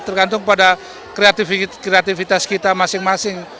tergantung pada kreativitas kita masing masing